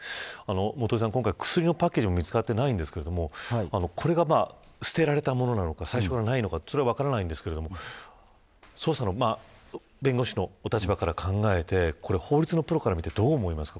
元榮さん、今回薬のパッケージも見つかっていないんですけれどもこれが捨てられたものなのか最初からないのかそれは分からないんですけれども弁護士のお立場から考えて法律のプロから見てどう思いますか。